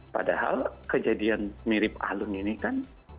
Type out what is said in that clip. padahal kejadian mirip alun ini kan